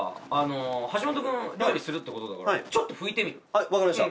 はい分かりました